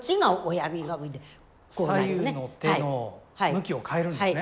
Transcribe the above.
左右の手の向きを変えるんですね？